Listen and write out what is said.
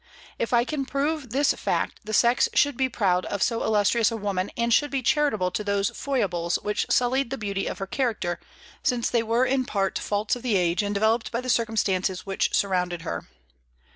If I can prove this fact, the sex should be proud of so illustrious a woman, and should be charitable to those foibles which sullied the beauty of her character, since they were in part faults of the age, and developed by the circumstances which surrounded her.